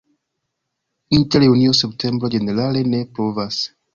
Inter junio-septembro ĝenerale ne pluvas.